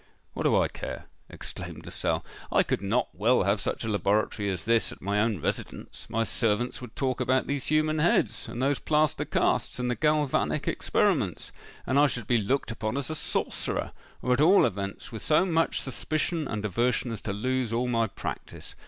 "What do I care?" exclaimed Lascelles. "I could not well have such a laboratory as this at my own residence—my servants would talk about these human heads, and those plaster casts, and the galvanic experiments, and I should be looked upon as a sorcerer, or at all events with so much suspicion and aversion as to lose all my practice.